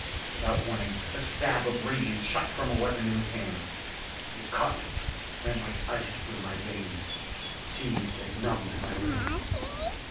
Without warning, a stab of radiance shot from a weapon in his hand. It caught me. Ran like ice through my veins. Seized and numbed my limbs.